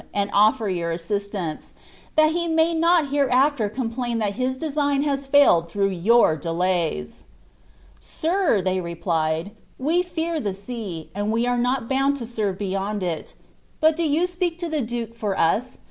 and offer your assistance, that he may Hot iiereafler complain that his design has failed through your delays." " Sir,'' replied they, "■ we fear the sea, and we are not bound to tent beyond it; but do you speak to the duke for us.